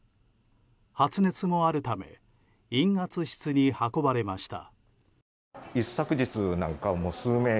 発熱もあるため陰圧室に運ばれました。